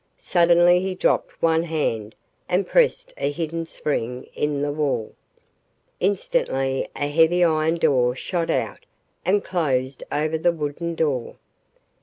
Suddenly he dropped one hand and pressed a hidden spring in the wall. Instantly a heavy iron door shot out and closed over the wooden door.